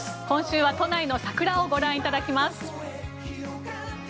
今週は都内の桜をご覧いただきます。